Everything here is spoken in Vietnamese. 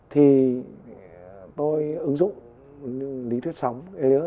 thì tôi ứng dụng lý thuyết sống